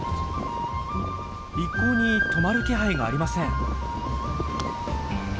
一向に止まる気配がありません。